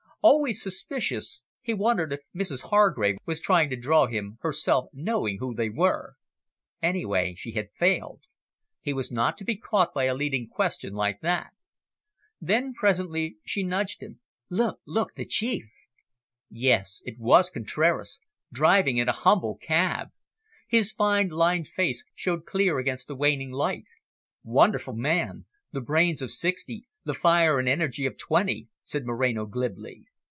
Always suspicious, he wondered if Mrs Hargrave was trying to draw him, herself knowing who they were. Anyway, she had failed. He was not to be caught by a leading question like that. Then presently she nudged him. "Look, look, the Chief!" Yes, it was Contraras, driving in a humble cab. His fine, lined face showed clear against the waning light. "Wonderful man! The brains of sixty, the fire and energy of twenty!" said Moreno glibly.